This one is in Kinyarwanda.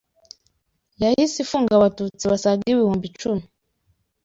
Yahise ifunga Abatutsi basaga ibihumbi icumi